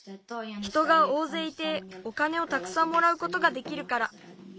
人がおおぜいいてお金をたくさんもらうことができるから。